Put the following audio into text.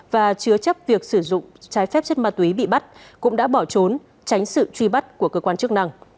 và chứa chấp việc sử dụng trái phép chất ma túy bị bắt cũng đã bỏ trốn tránh sự truy bắt của cơ quan chức năng